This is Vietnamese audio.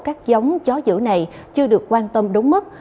các giống chó giữ này chưa được quan tâm đúng mức